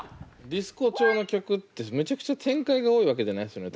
ディスコ調の曲ってめちゃくちゃ展開が多いわけじゃないですよね